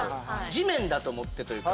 地面だと思ってというか